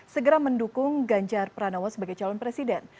segera mendukung ganjar pranowo sebagai calon presiden